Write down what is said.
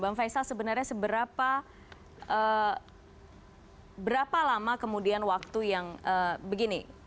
bang faisal sebenarnya seberapa lama kemudian waktu yang begini